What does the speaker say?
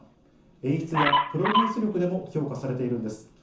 演出やプロデュース力でも評価されているんです。